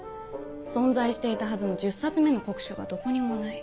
存在していたはずの１０冊目の黒書がどこにもない。